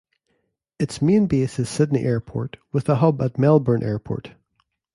Its main base is Sydney Airport, with a hub at Melbourne Airport.